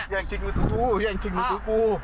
ย่างชิงมือถือกูย่างชิงมือถือกู